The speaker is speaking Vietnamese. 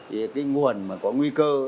cái nguồn mà có nguy cơ